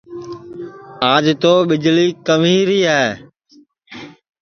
آج تو ٻݪی کھنٚویری ہے